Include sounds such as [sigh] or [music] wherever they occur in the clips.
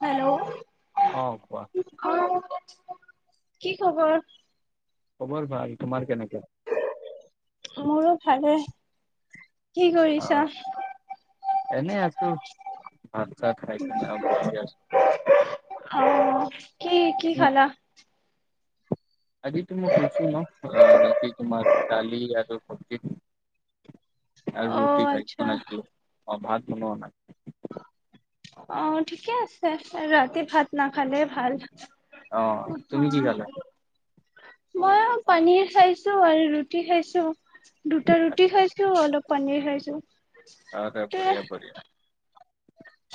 Hello, অ' কোৱা? কি খবৰ? খবৰ ভাল তোমাৰ কেনেকোৱা? মোৰো ভালে। কি কৰিছা? অহ, এনেই আছো ভাত চা খাই কিনে আৰু বহি আছো অ' কি কি উম, খালা? আজিতো মই শুইছো ন অহ, ৰাতি তোমাৰ দালি আৰু ভজি, আৰু অ' ৰুটি খাই আচ্ছা বনাইছিলো অ' ভাত বনোৱা নাই। অ' ঠিকে আছে ৰাতি ভাত নাখালে ভাল। অ' তুমি কি খালে? মই পনীৰ খাইছো আৰু ৰুটি খাইছো। দুটা ৰুটি খাইছো অলপ পনীৰ খাইছো। উ [unintelligible] আ' বঢ়িযা-বঢ়িযা,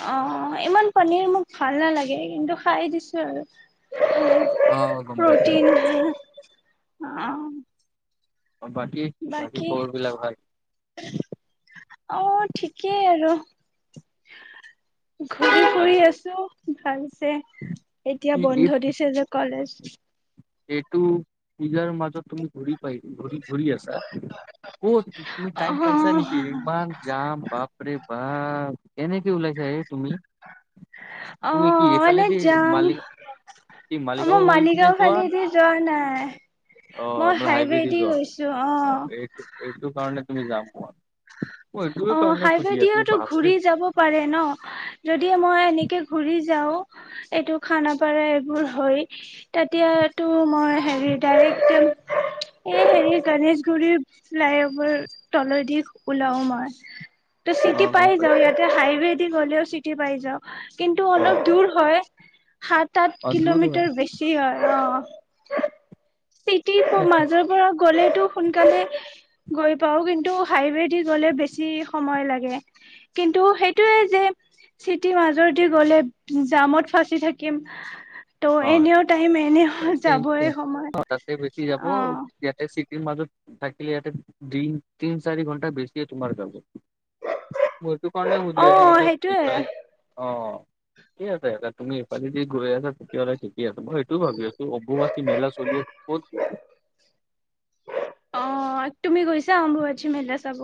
অ' ইমান পনীৰ মোক ভাল নালাগে কিন্তু খাই দিছো আৰু। অ' গম পাইছো প্ৰটিন গম পাইছো। অ', বাকী-বাকী বাকী খবৰ বিলাক ভাল? অ', ঠিকেই আৰু। ঘূৰি আৰু ফুৰি আছো। ভালছে। এতিয়া কি এই বন্ধ দিছে যে কলেজ। এইটো নিজৰ মাজত তুমি ঘূৰি ঘূৰি-ঘূৰি আছা। কত তুমি টাইম পাইছা অহ নেকি ইমান যাম? বাপৰে-বাপ কেনেকে ওলাইছা হে তুমি? অ তুমি কি এইফালেদি মালি আমাৰ মালিগাঁও ফালেদি যোৱা নাই। অ', নে হাইৱেদি যোৱা অ' এইটো-এইটো কাৰণে, তুমি যাম পোৱা। মই এইটোৰ অ' কাৰণে সুধি আছো হাইৱেডিতো বাপৰে ঘূৰি যাব পাৰে ন যদি মই এনেকে ঘুৰি যাও। এইটো খানাপাৰা এইবোৰ হয় তেতিয়াতো মই হেৰি ডাইৰেক্ট এই হেৰি গণেশগুৰি ফ্লাইওভাৰ তলেদি ওলাও মই। ত অ চিটি পাই গম যা পাইছো ইয়াতে হাইৱে স গলেও চিটি পাই যাওঁ। কিন্তু অ অলপ দূৰ হয়। সাত আঠ অ দূৰ হয় কিলোমিটাৰ বেছি হয় অ'। সিট নেকি? মাজৰ পৰা গ'লেতটো সোনকালে গৈ পাও কিন্তু হাইৱেদি গ'লে বেছি বেছি যি সময় লাগে কিন্তু সেইটোয়ে যে চিটিৰ মাজৰদি গ'লে জামত ফাঁচি থাকিম। টো এনি অ' টাইম এ [unintelligible] তাতে বেছি যাব অ ইয়াতে চিটি [unintelligible] মাজত থাকিলে ইয়াতে দিন তিন চাৰি ঘণ্টা বেছিয়ে তোমাৰ যাব। মই এইটো কাৰণে সুধি অ আছো, বোলো সেইটোয়ে এইফালে অ'। কি আছে স তুমি ইফালেদি গৈ আছা তেতিয়াহ'লে ঠিকে আছে মই সেইটোও ভাবি আছো অম্বুবাচী মেলা চলি আছে ক'ত গৈছে। অ' তুমি গৈছা অম্বুবাচী মেলা চাব?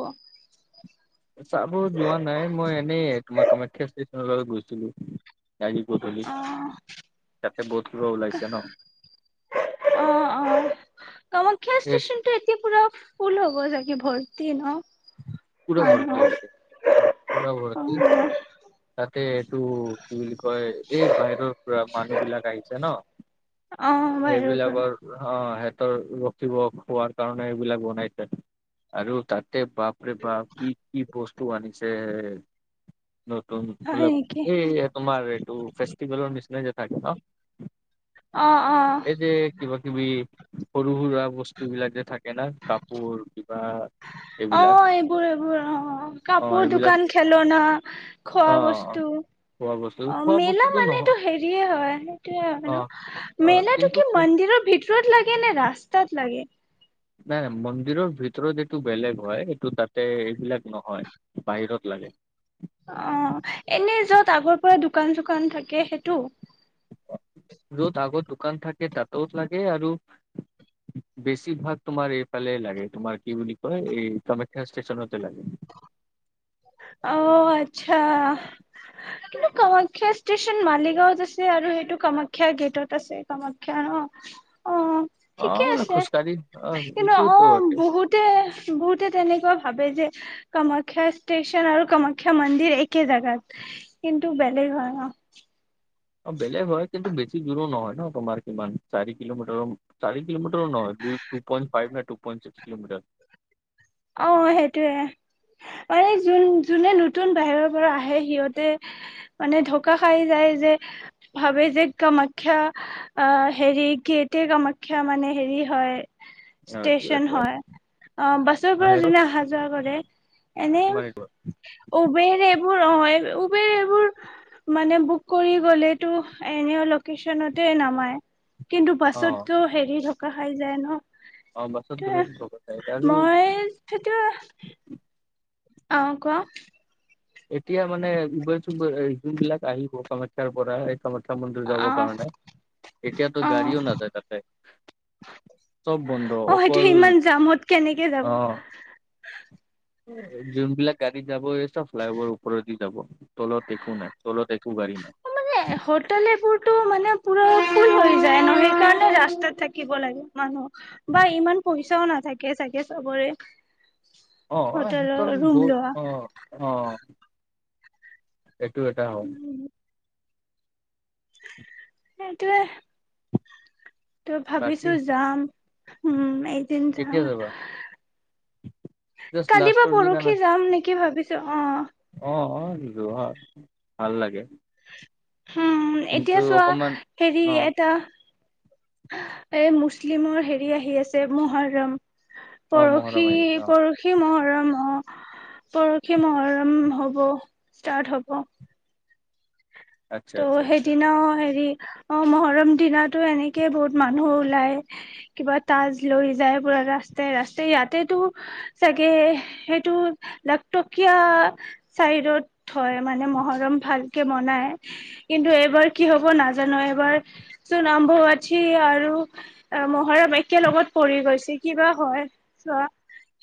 চাবো যোৱা নাই, মই এনেই তোমাৰ কামাখ্যা ষ্টেচন এ লগে গৈছিলো। [unintelligible] গধূলি অ তাতে বহুত কিবা ওলাইছে ন অ' অ' কামাখ্যা এই ষ্টেচনটো এতিয়া পুৰা ফূল হ'ব চাগে ভৰ্তি ন? পুৰা ভৰ্তি মানুহৰ এয়া অ' পুৰা অ ভৰ্তি, তাতে এইটো কি বুলি কয় এই বাহিৰৰ পৰা মানুহ বিলাক আহিছে ন। অ বাহিৰৰ পৰা এইবিলাকৰ অ' স ৰ ৰখিব খোৱাৰ কাৰণে এইবিলাক বনাইছে আৰু তাত তে বাপাৰেৰে বাপ কি কি ব বস্ত আনিছে। নতুন মল হয় নেকি এই তোমাৰ এইটো ফেষ্টিভেলৰ নিচি থাক ন অ অ এই যে কিবা কিবি সৰু সুৰা বস্তু বিলাক যে থাকে ন। কাপোৰ কিবা এইবিলাক অ' এইবোৰ এইবোৰ অ' অ কাপোৰ এইবিলাক দোকান, খেলনা, অ খোৱা বস্তু, খোৱা বস্তু অ' খোৱা মেলা বস্তুটো নহয় মানটো হেৰিয়ে হয় সেইটোয়ে হয় অ ন, অ মেলাটো কিন্তু কি খু- মন্দিৰৰ ভিতৰত লাগে নে ৰাস্তা? তাত লাগে নাই নাই, মন্দিৰৰ ভিতৰত এইটো বেলেগ হয় এইটো তাতে এইবিলাক নহয় বাহিৰত লাগে। অ এনে য'ত আগৰ পৰা দোকান চোকান থাকে সেইটো য'ত আগৰ দোকান থাকে তাতও লাগে আৰু বেছিভাগ তোমাৰ এইফালে লাগে তোমাৰ কি বুলি কয় এই কামাখ্যা ষ্টেচনতে লাগে অ আচ্ছা কিন্তু কামাখ্যা ষ্টেচন মালিগাঁওত আছে আৰু সেইটো কামাখ্যা গেটত আছে কামাখ্যা ন অ অ ঠিকে মানে আছে খোজকাঢ়ি অ কিন্তু অ এইটোতো বহুতে বহুতে তেনেকুৱা ভাবে যে কামাখ্যা ষ্টেচন আৰু কামাখ্যা মন্দিৰ একে জেগাত কিন্তু বেলেগ হয় ন অ বেলেগ হয় কিন্তু বেছি দূৰো নহয় ন তোমাৰ কিমান চাৰি কিলোমিটাৰ চাৰি কিলোমিটাৰ নহয় দুই টু পইন্ত ফাইভ ন টু পইন্ত চিক্স কিলোমিটাৰ অ সেইটোয়ে আৰে যোন যোনে নতুন বাহিৰৰ পৰা আহে সিহঁতে মানে ঢকা খাই যায় যে ভাবে যে কামাখ্যা আহ হেৰি গেটে কামাখ্যা মানে হেৰি হয় অ ষ্টচন হয় অ বাচ সেইটো যোনে অহা যোৱা কৰে এনে তোমাৰ এইটো। উবেৰে [unintelligible] উবেৰবোৰ মানে বুক কৰিবলেটো এনেও লকেচনতে নমাই কিন্তু অ বাছতটো হেৰি ঢক ঢকা খাই যায় ন অ বাছত গলেটো ঢকা খাই আৰু হেটো অ কোৱা এতিয়া মানে উবেৰটো যোন বিলাক আহিব কামাখ্যাৰ পৰা কামাখ্যা মন্দিৰ অ যাবৰ কাৰণে এতিয়াতো অ গাড়ীও নাযায় তাতে চব বন্ধ অ সেইটো অকল ইমান জামত কেনেকে যাব অহ যোনবিলাক গাড়ী যাব এ চব ফ্লাই অভাৰ ওপৰে দি যাব তলত একো নাই তলত একো গাড়ী মানে নাই হোটেল এইবোৰতো মানে পুৰা ফুল হৈ যায় ন সেইকাৰণে ৰাস্তাত থাকিব লাগে মানুহ বা ইমান পইচাও নাথাকে তাকে চাগে চবৰে অ অ সেইটো হোটেলৰ ৰুম বহ অ অ এইটো এটা হয় সেইটোৱে ত ভাবিছো বাকী যাম উম এদিন যাম কেতিয়া যাবা? জাষ্ট কালি বা লাষ্টৰ দিনা পৰশি নাই যাম নেকি ভাবিছো অহ অ', অ যোৱা ভাল লাগে। উম কিন্তু এতিয়া চোৱা অকমান হেৰি অ', এটা এ মুছলিমৰ হেৰি আহি আছে মহৰম। অ', পৰশি মহৰম আহি আছে অ', পৰশি মহৰ পৰশি মহৰম হ'ব ষ্টাৰ্ট হ'ব। আচ্ছা, ত' আচ্ছা, আচ্ছা সেইদিনাও হেৰি অ', মহৰম দিনা এনেকে বহুত মানুহ ওলাই কিবা তাজ লৈ যায় পুৰা ৰাস্তাই ৰাস্তাই ইয়াতেতো চাগে সেইটো লাকটকীয়া চাইডত হয় মানে মহৰম ভালকে মনাই। কিন্তু এইবাৰ কি হব নাজানো, এইবাৰ চোন আৰম্ভৱঠি আৰু মহাৰৱ একে লগগত পৰি গৈছে কিবা হয় চ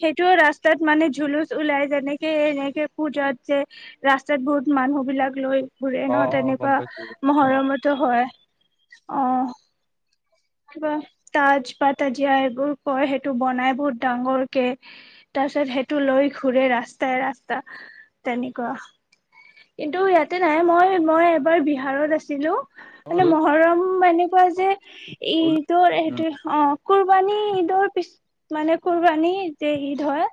সেইটো ৰাস্তাত মানে ঝুলুচ ওলাই যেনেকে এনেকে পুজাত যে ৰাস্তাত বহুত মানুহ বিলাক লৈ ঘূৰেই অ', নত অ', গম তেনেকুৱা পাইছো অ', মহৰমতো হয়। অহ। কিবা তাজ পা তাজিয়া এইবোৰ কয় সেইটো বনাই বহুত ডাঙৰকে, তাৰ পিছত সেইটো লৈ ঘুৰে ৰাস্তাই ৰাস্তা তেনেকুৱা, কিন্তু ইয়াতে নাই মই মই এবাৰ বিহাৰত আছিলো অ মানে মহৰম মানে পোৱা যে ওল উম, এইটো অ কুৰ্বানী ঈদৰ পিছ মানে কুৰ্বানী যে ঈদ হয়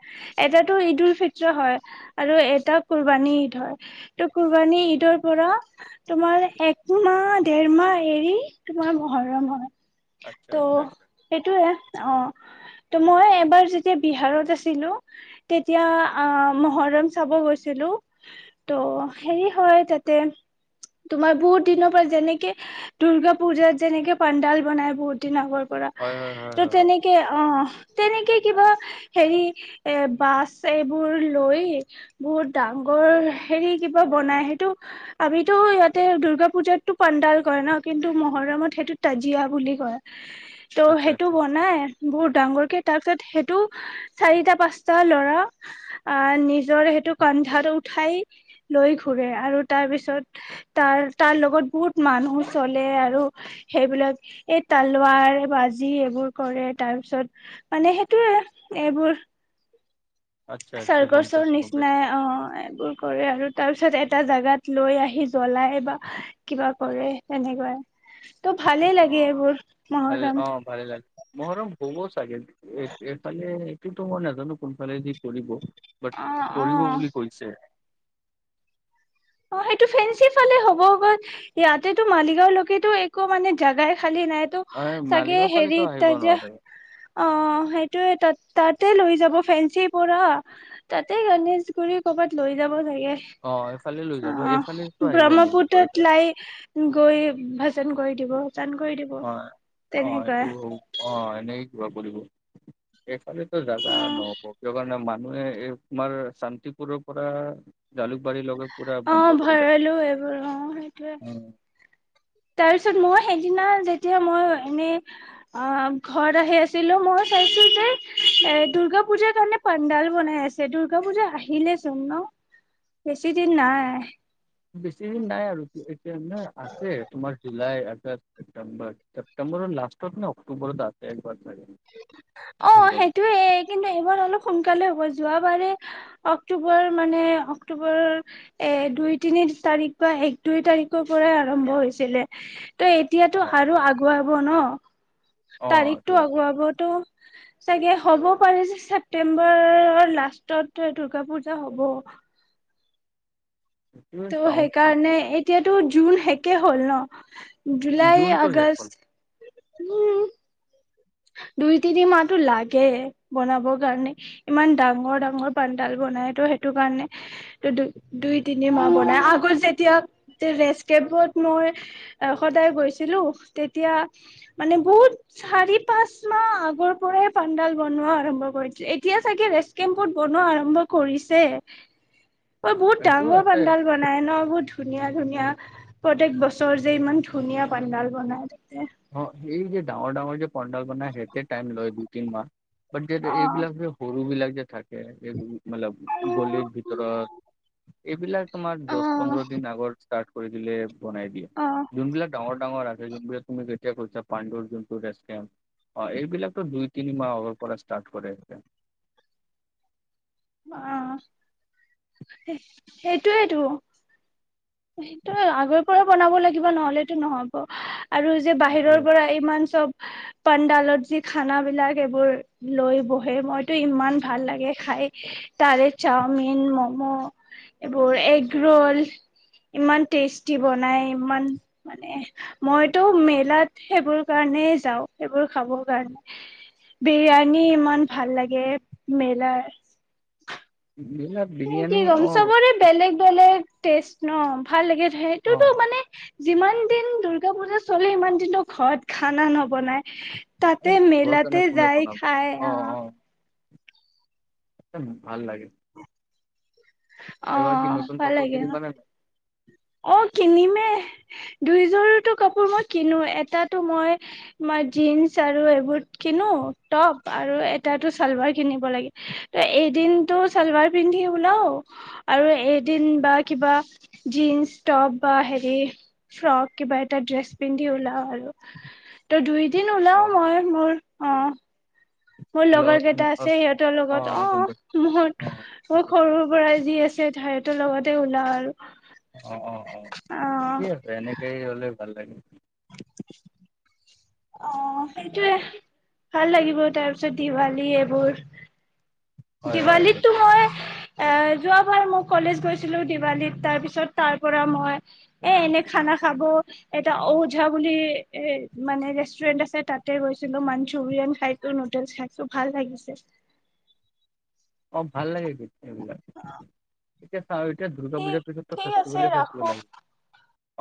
এটাতটো ঈদ উল ফিত্ৰ হয় আৰু এটা কুৰ্বানী ঈদ হয় ত কুৰ্বানী ঈদৰ পৰা তোমাৰ একমাহ দেৰ মাহ এৰি তোমাৰ মহৰম হয় আচ্ছা, ত' আচ্ছা, আচ্ছা এইটোয়ে অ ত মই এবাৰ যেতিয়া বিহাৰত আছিলো তেতিয়া আহ মহৰম চাব গৈছিলো ত' হেৰি হয় তাতে তোমাৰ বহুত দিনৰ পৰা যেনেকে দূৰ্গা পুজাত যেনেকে পান্ডাল বনাই বহুত দিন আগৰ প কৰা হয়, হয়, হয়, ত' হয়, হয়, তেনেকে অ তেনেকে কিবা হেৰি এ বাছ এইবোৰ লৈ বহুত ডাঙগৰ হেৰি কিবা বনাই, সেইটো আমিতো ইয়াতে দূৰ্গা পুজাতটো কাণ্ডাল কৰে ন কিন্তু মহৰমত সেইটো ত জীয়া বুলি কয়। ত' আচ্ছা, সেইটো আচ্ছা, আচ্ছা, বনাই বহুত ডাঙগৰকে তাৰ পিছত সেইটো চাৰিটা পাঁচটা ল'ৰা আহ নিজৰ সেইটো কান্ধাত উঠাই লৈ ঘুৰে আৰু তাৰ পিছত তাৰ তাৰ লগত বহুত মানুহ চলে আৰু সেইবিলাক এই তালুৱাৰ বাজি এইবোৰ কৰে তাৰপিছত মানে সেইটোয়ে এইবোৰ আচ্ছা, আচ্ছা চাৰ্গ গম চুৰ পাইছো, গম পাইছো নিচিনাই অ কৰে আৰু তাৰ পিছত এটা জাগাত লৈ আহি জ্বলাই বা কিবা কৰে তেনেকুৱাই ত' ভালেই লাগে অ', এইবোৰ ভাল মহৰম অ', ভালে লাগে, মৰম হব চাগে এইফালে কিন্তু মই নাজানো কোনফালে যি কৰিব। বাট অ কৰিব অ বুলি কৈছে অ', সেইটো ফেঞ্চি ফালে হব বাত ইয়াতেতো মালিগাঁওলৈকেতো একো মানে জাগাই খালী নাইটো অ', চাগে মালিগাঁও হেৰি ফালেতো আহিব যেয়া নোৱাৰে অ' সেইটোয়ে তাত তাতে লৈ যাব ফেঞ্চি পৰা তাতে গণেশ গুৰি কৰ'বাত লৈ যাব চাগে অ এইফালে লৈ যাম অ ব্ৰহ্মপুত্ৰত লাই গৈ ভেচন কৈ দিব ভাজান কৰি দিব অ অ তেনেকুৱা এইটো হয় অ এনেই ক কৰিব এইফালেতো জাগা নাই কেতিয়াবা ইমান মানু মানে এই তোমাৰ শান্তিপুৰৰ পৰা জালুকবাৰীৰ লগে। অ' ভৰলো এইবোৰ, অ' সেইটোয়ে, তাৰপিছত মই সেইদিনা যেতিয়া মই এনে অ' ঘৰত আহি আছিলো, মই চাইছো যে এ দূৰ্গা পুজাৰ কাৰণে পাডাল বনাই আছে দূৰ্গা পুজা আহিলেচোন ন বেছি দিন‌‌ নাই। বেছি দিন নাই আৰু। এতিয়া নে আছে তোমাৰ জুলাই পে ছেপটেম্বৰ লাষ্টত নে অক্টটোবৰত আছে একবাৰ চাগে অ' সেইটোয়েই কিন্তু এইবোৰ অলপ সোনকালে হ'ব যোৱাবাৰে অক্টোবৰ মানে অক্টোবৰৰ এ দুই তিনি তাৰিখ বা এক দুই তাৰিখৰ পৰা আৰম্ভ হৈছিলে। ত এতিয়াতটো অ আৰু আগুৱ হব ন। অ তাৰিখটো এইটোৱে আগুৱাব। চাগে, হ'ব পাৰি ছেপ্তেম্বৰ লাষ্টত দূৰ্গা পুজা হ'ব। এইটোৱে ত' চাওঁ কি সেইকাৰণে এতিয়াতো জোন সেকে হ'ল ন। জুলাই জুনটো শেষ হ'ল আগষ্ট উম। দুই তিনি মাহটো লাগে, বনাবৰ কাৰণে ইমান ডাঙৰ ডাঙৰ পানডাল বনাই, তো সেইটো কাৰণে ত দু দুই তিনি মাহ বনাই আগত যেতিয়া ৰেচ কেমত মই সদায় গৈছিলো, তেতিয়া মানে বহুত চাৰি পাঁচ মাহ আগৰ পৰাই পাণ্ডাল বনোৱা আৰম্ভ কৰি এতিয়া, চাগে ৰেচ কেম্পুত বনোৱা আৰম্ভ কৰিছে। অ' বহুত এইটো ডাঙৰ আছে পাডাল বনাই ন বহুত ধুনীয়া ধুনীয়া প্ৰত্য়েক বছৰ যে ইমান ধুনীয়া পাডাল বনাই। অ' এই যে ডাঙৰ ডাঙৰ যে পণ্ডাল বনাই, সেইতে টাইম লয় দুই তিন মাহ বাট যে অ এইবিলাক যে সৰু বিলাক যে থাকে এইব মলে গলিৰ ভিতৰত এইবিলাক তোমাৰ অ দহ পোন্ধৰ দিন আগৰ ষ্টাৰ্ট কৰি দিলে বনাই দিয়ে অ যোনবিলাক ডাঙৰ ডাঙৰ আছে যোনবিলাক তুমি [unintelligible] পাণ্ডুৰ যোন্ত ৰেষ্ট কেম্প অ' এইবিলাকতটো দুই তিনি মাহ আগাৰ পৰা ষ্টাৰ্ট কৰে এনেকে। অ' সেইটোৱেইতো। সেইটোৱেই আগৰ পৰা বনাব লাগিব, নহলেতটো নহব। আৰু যে বাহিৰৰ এইবিলাক পৰা ইমান চব পান্ডালত যে খানাবিলাক এইবোৰ লৈ বহে মইতো ইমান ভাল লাগে খাই, তাৰে চাওমিন, মম', এইবোৰ এগ ৰোল ইমান টেষ্টি বনাই, ইমান মানে মইতো মেলাত সেইবোৰ কাৰণেই যাওঁ সেইবোৰ খাবৰ কাৰণে, বিৰিয়ানী ইমান ভাল লাগে মেলাৰ। এই কি বিৰিয়ানী ক'ম অ চবৰে বেলেগ বেলেগ। টেষ্ট ন ভাল লাগে। অ সেইটোতো মানে যিমান দিন দুৰ্গা পূজা চলে সিমান দিনো ঘৰত খানা নবনাই। তাতে ঘৰ কাৰণে মেলাতে কোনে যায় বনাব খাই আহ। একদম ভাল লাগে। এবাৰ কি অ' নতুন ভাল কাপোৰ লাগে, কিনিবা নে নাই অ' কিনিমেই। দুইযোৰতো কাপোৰ মই কিনো, এটাতো মই মই জীন্চ আৰু এইবোৰ কিনো টপ আৰু এটা চালভাৰ কিনিব লাগে ত এদিনটো চালভাৰ পিন্ধি ওলাও। আৰু এদিন বা কিবা জন্চ টপ বা হেৰি ফ্ৰক কিবা এটা ড্ৰেছ পিন্ধি ওলাও আৰু ত দুই এদিন অ ওলাও মই, মোৰ অ'। মোৰ লগৰ কেইটা আছে সিহঁতৰ অ লগত, গম পাইছোঁ অ' ম অ মোৰ সৰুৰ পৰাই যি আছে ঠাইতৰ লগতে ওলাও আৰু। অ' অ' অ' কি আছে এনেকেই হলে ভাল লাগে। অ' সেইটোয়ে, ভাল লাগিব তাৰপিছত দিৱালী এইবোৰ হয় হয় দিৱালীটো এইটো মই এ যোৱাবাৰ মই কলেজ গৈছিলো দিৱালীত, তাৰ পিছত তাৰ পৰা মই এ এনে খানা খাব এটা ঔঝা বুলি এ মানে আছে তাতে গৈছিলো মাঞ্চুৰিয়ান খাইছো নুডলছ খাইছো ভাল লাগিছে। অ ঠিক আছে। আৰু এতিয়া দুৰ্গা ঠিক পূজাৰ পিছত ঠিক আছে ফেষ্টভেল য়ে ফেষ্টভেল ৰাখো। লাগে।